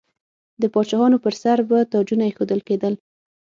د پاچاهانو پر سر به تاجونه ایښودل کیدل.